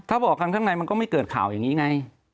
ถ้าบอกกันข้างในมันก็ไม่เกิดข่าวอย่างนี้ไง